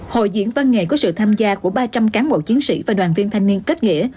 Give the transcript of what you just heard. hội diễn văn nghệ có sự tham gia của ba trăm linh cán bộ chiến sĩ và đoàn viên thanh niên kết nghĩa